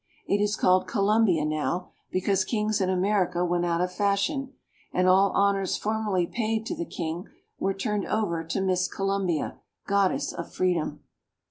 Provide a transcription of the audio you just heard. It is called Columbia now, because kings in America went out of fashion, and all honors formerly paid to the king were turned over to Miss Columbia, Goddess of Freedom.